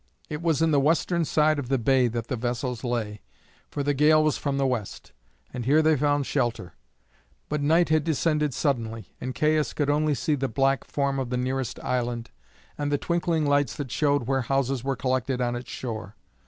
It was in the western side of the bay that the vessels lay, for the gale was from the west, and here they found shelter; but night had descended suddenly, and Caius could only see the black form of the nearest island, and the twinkling lights that showed where houses were collected on its shore.